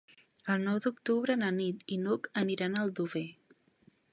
El nou d'octubre na Nit i n'Hug aniran a Aldover.